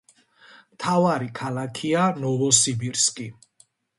მთავარი ქალაქია ნოვოსიბირსკი.